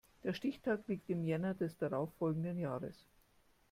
Der Stichtag liegt im Jänner des darauf folgenden Jahres.